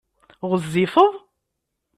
Ɣezzifeḍ?